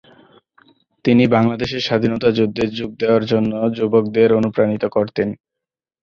তিনি বাংলাদেশের স্বাধীনতা যুদ্ধে যোগ দেওয়ার জন্য যুবকদের অনুপ্রাণিত করতেন।